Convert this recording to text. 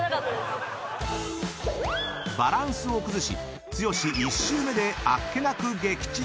［バランスを崩し剛１周目であっけなく撃沈］